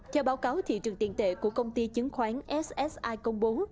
theo báo cáo thị trường tiền tệ của công ty chứng khoán ssi công bố